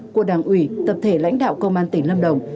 của đảng ủy tập thể lãnh đạo công an tỉnh lâm đồng